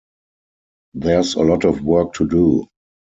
There's a lot of work to do.